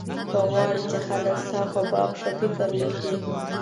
که غواړې چې خلک ستا په باب ښه فکر وکړي.